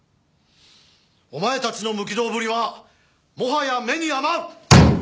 お前たちの無軌道ぶりはもはや目に余る！